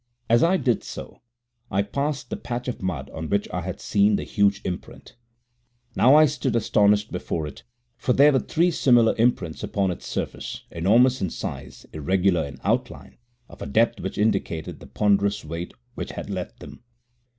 As I did so I passed the patch of mud on which I had seen the huge imprint. Now I stood astonished before it, for there were three similar imprints upon its surface, enormous in size, irregular in outline, of a depth which indicated the ponderous weight which had left them.